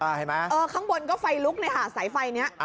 เห็นไหมเออข้างบนก็ไฟลุกเลยค่ะสายไฟนี้